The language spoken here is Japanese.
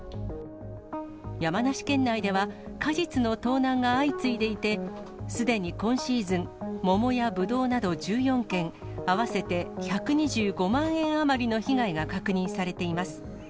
山梨県内では、果実の盗難が相次いでいて、すでに今シーズン、モモやブドウなど、１４件、合わせて１２５万円余りの被害が確認されています。